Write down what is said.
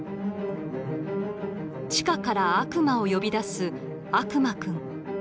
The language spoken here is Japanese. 地下から悪魔を呼び出す「悪魔くん」。